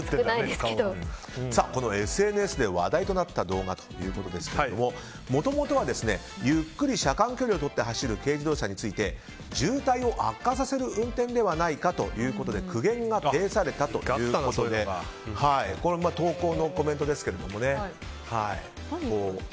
ＳＮＳで話題となった動画ですがもともとはゆっくり車間距離をとって走る軽自動車について渋滞を悪化させる運転ではないかということで苦言が呈されたということでこれは投稿のコメントですが。